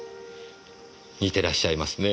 似てらっしゃいますねぇ。